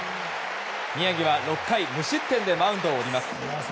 宮城は６回無失点でマウンドを降ります。